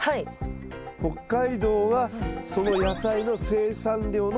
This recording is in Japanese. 北海道はその野菜の生産量の日本一です。